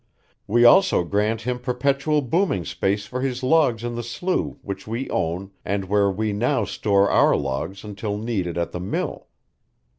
We also grant him perpetual booming space for his logs in the slough which we own and where we now store our logs until needed at the mill.